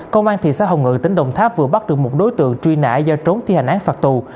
công an thị xã hồng ngự tỉnh đồng tháp vừa bắt được một đối tượng truy nã do trốn thi hành án phạt tù